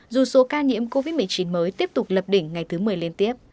dù số ca nhiễm covid một mươi chín mới tiếp tục lập đỉnh ngày thứ một mươi liên tiếp